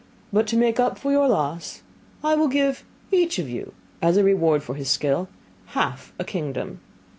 But to make up for your loss, I will give each of you, as a reward for his skill, half a kingdom.